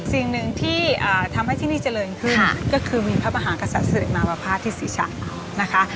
สิ่งหนึ่งที่ทำให้ที่นี่เจริญขึ้นก็คือมีพระมหากษัตริย์เสด็จมาประพาทที่ศีรษะนะคะ